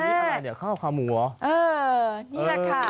อันนี้อะไรนี่ข้าวขาวหมูหรือ